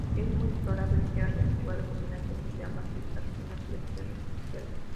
Es muy probable que hayan jugado combinados de ambas islas y no selecciones oficiales.